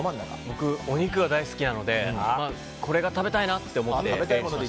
僕、お肉が大好きなのでこれが食べたいなと思って。